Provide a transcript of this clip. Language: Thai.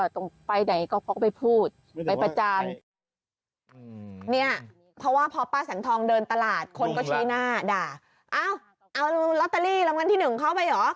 ก็ใช้หน้าด่าเอ้าเอาลอตเตอรี่รางวัลที่๑เข้าไปเหรอ